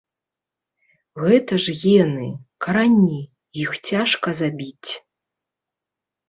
Гэта ж гены, карані, іх цяжка забіць.